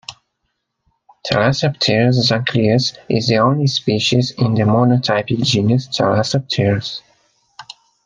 "Thalassopterus zancleus" is the only species in the monotypic genus Thalassopterus.